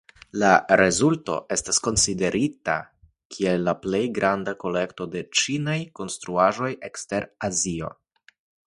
La rezulto estas konsiderita kiel la plej granda kolekto de ĉinaj konstruaĵoj ekster Azio.